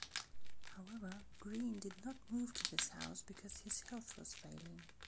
However, Green did not move to this house because his health was failing.